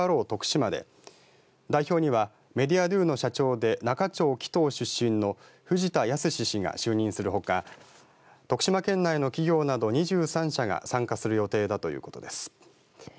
徳島で代表にはメディアドゥの社長で那賀町木頭出身の藤田恭嗣氏が就任するほか徳島県内の企業など２３社が参加する予定だということです。